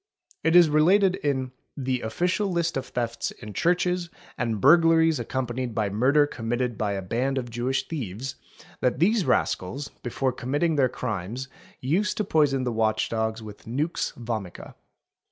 It is related in '"'the Official list of thefts in churches, and burglaries accompanied by murder committed by a band of Jewish thieves'', that these rascals, before committing their crimes used to poison the watch dogs with nua vomica.